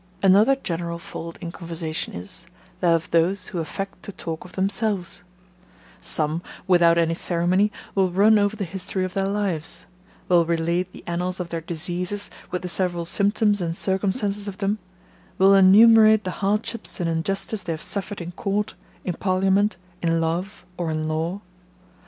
Another general fault in conversation is, that of those who affect to talk of themselves: Some, without any ceremony, will run over the history of their lives; will relate the annals of their diseases, with the several symptoms and circumstances of them; will enumerate the hardships and injustice they have suffered in court, in parliament, in love, or in law.